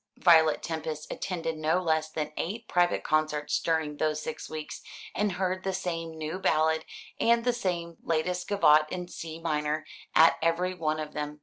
Violet Tempest attended no less than eight private concerts during those six weeks, and heard the same new ballad, and the same latest gavotte in C minor, at everyone of them.